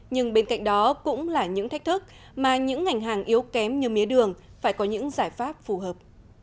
nhưng bên cạnh đó cũng là những thách thức mà những ngành hàng yếu kém như mía đường phải có những giải pháp phù hợp